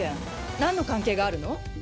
なんの関係があるの？